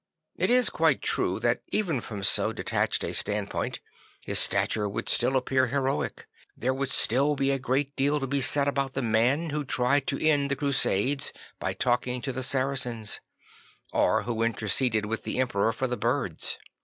It is quite true that even from so detached a standpoint his stature would still appear heroic. There would still be a great deal to be said about the man who tried to end the Crusades by talking to the Saracens or who interceded with the Emperor for the birds.